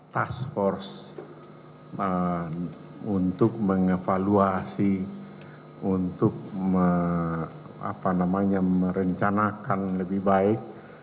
task force untuk mengevaluasi untuk merencanakan lebih baik